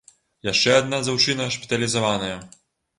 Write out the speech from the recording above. Яшчэ адна дзяўчына шпіталізаваная.